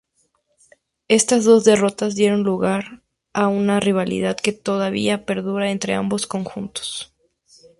Estas dos derrotas dieron lugar a una rivalidad que todavía perdura entre ambos conjuntos.